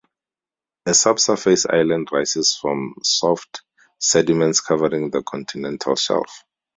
A subsurface island rises from soft sediments covering the continental shelf.